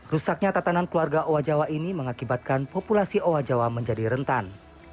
rusaknya tatanan keluarga owa jawa ini mengakibatkan populasi owa jawa menjadi rentan